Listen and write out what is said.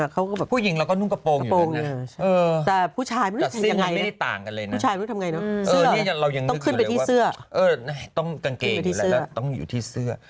กางเกงต้องอยู่ที่เสื้อ